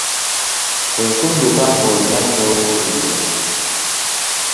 Kwe kudduka ng'olina ky’oluubirira.